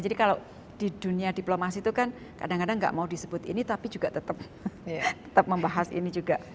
jadi kalau di dunia diplomasi itu kan kadang kadang nggak mau disebut ini tapi juga tetap membahas ini juga